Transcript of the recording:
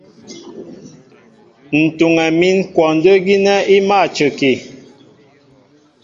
Ǹ tuŋɛ mín kwɔndə́ gínɛ́ í mâ a cəki.